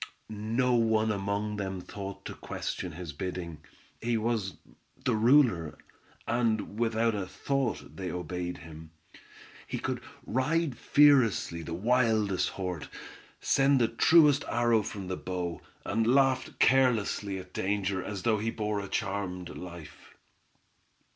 No one among them thought to question his bidding; he was the ruler, and without a thought they obeyed him. He could ride fearlessly the wildest horse, send the truest arrow from the bow, and laughed carelessly at danger as though he bore a charmed life.